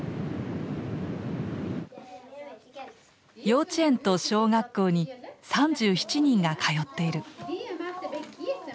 幼稚園と小学校に３７人が通ってる。